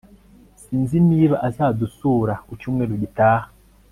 sinzi niba azadusura ku cyumweru gitaha